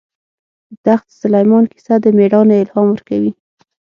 د تخت سلیمان کیسه د مېړانې الهام ورکوي.